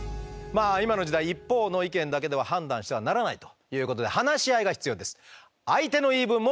まあ今の時代一方の意見だけでは判断してはならないということで話し合いが必要です。